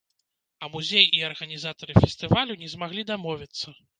А музей і арганізатары фестывалю не змаглі дамовіцца.